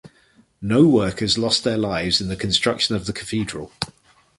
No workers lost their lives in the construction of the cathedral.